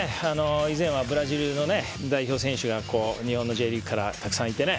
以前はブラジルのね代表選手が日本のＪリーグからたくさん行ってね。